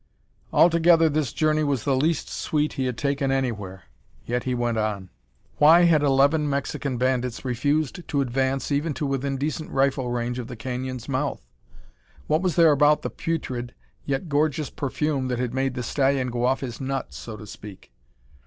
Altogether this journey was the least sweet he had taken anywhere. Yet he went on. Why had eleven Mexican bandits refused to advance even to within decent rifle range of the canyon's mouth? What was there about the putrid yet gorgeous perfume that had made the stallion go off his nut, so to speak?